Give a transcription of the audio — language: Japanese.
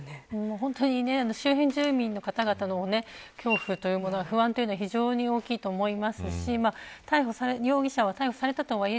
本当に、周辺住民の方々の恐怖というものは不安というものは非常に大きいと思いますし容疑者は、逮捕されたとはいえ